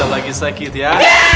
lagi sakit ya